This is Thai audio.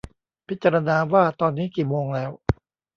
พิจารณาว่าตอนนี้กี่โมงแล้ว